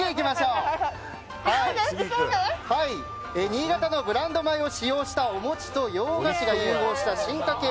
新潟のブランド米を使用したお餅と洋菓子が融合した進化系